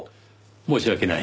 申し訳ない。